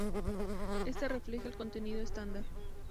Ésta refleja el contenido estándar.